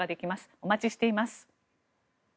お待ちしています。